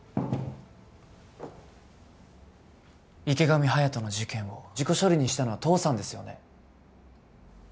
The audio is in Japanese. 池上隼人の事件を事故処理にしたのは父さんですよね？